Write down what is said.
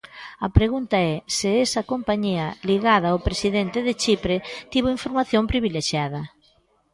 A pregunta é se esa compañía, ligada ao presidente de Chipre, tivo información privilexiada.